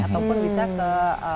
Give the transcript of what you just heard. ataupun bisa ke